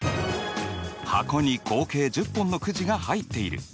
箱に合計１０本のくじが入っている。